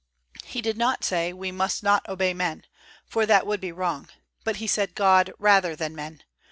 He did not say: "We must not obey men"; for that would be wrong; but he said: "God rather than men."